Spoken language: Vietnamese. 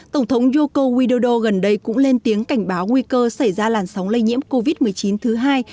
tổng thống yoko widodo gần đây cũng lên tiếng cảnh báo nguy cơ xảy ra làn sóng lây nhiễm covid một mươi chín thứ hai